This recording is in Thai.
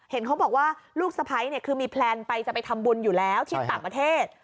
เห็นเขาบอกว่าลูกสะพ้ายคือมีแพลนไปจะไปทำบุญอยู่แล้วที่ต่างประเทศ